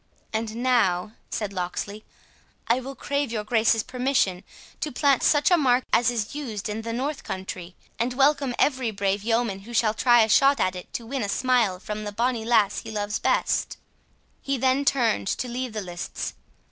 "And now," said Locksley, "I will crave your Grace's permission to plant such a mark as is used in the North Country; and welcome every brave yeoman who shall try a shot at it to win a smile from the bonny lass he loves best." He then turned to leave the lists.